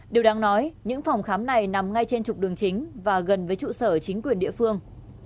điều đáng nói những phòng khám này nằm ngay trên trục đường chính và gần với trụ sở chính quyền địa phương